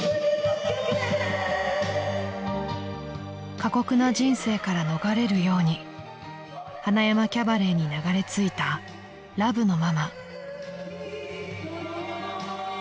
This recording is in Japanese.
［過酷な人生から逃れるように塙山キャバレーに流れ着いたラブのママ］